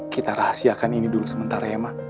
kita rahasiakan ini dulu sementara ya mak